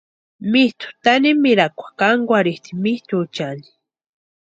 Mitʼu tanimirhakwa kankwarhiatʼi mitʼuchani.